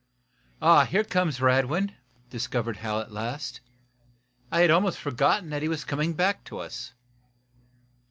"Here comes Radwin," discovered Hal, at last. "I had almost forgotten that he was coming back to us."